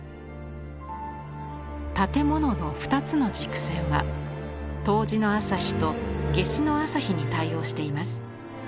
建物の２つの軸線は冬至の朝日と夏至の朝日に対応しています。